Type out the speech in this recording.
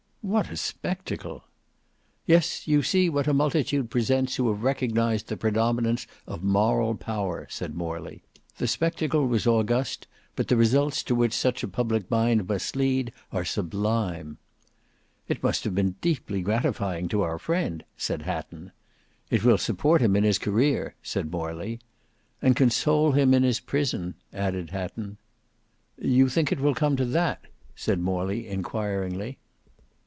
"What a spectacle!" "Yes; you see what a multitude presents who have recognised the predominance of Moral Power," said Morley. "The spectacle was august; but the results to which such a public mind must lead are sublime." "It must have been deeply gratifying to our friend," said Hatton. "It will support him in his career," said Morley. "And console him in his prison," added Hatton. "You think that it will come to that?" said Morley inquiringly.